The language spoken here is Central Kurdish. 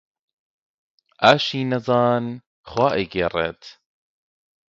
ئاشی نەزان خوا ئەیگێڕێت